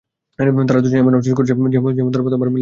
তারা দুজন এমন আচরণ করেছে যেমন তারা প্রথমবার মিলিত হয়েছে।